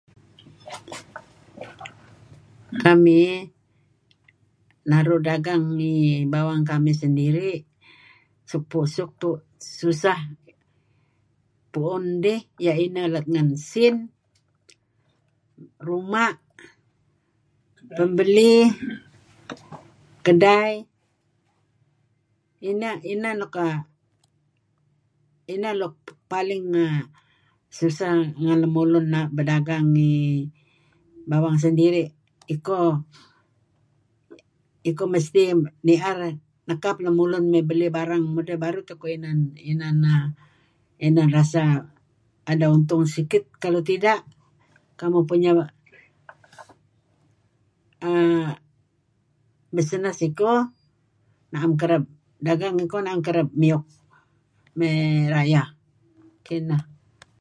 Kamih naru' dagang ngi bawang kamih sendiri' suk pu susah pu'un dih iyeh ineh let ngen sin, ruma', pembelih, kedai, ineh luk paling suseh ngen lemulun berdagang di bawang sendiri', ikoiko mesti ni'er. nekap lemulun mey belih barang mudih baru tikoh inan err inan rasa ada untung sikit, kalau tidak kamu punya err bisness iko na'em kereb dagang ikoh na'em kereb miyuk mey rayeh. Kineh.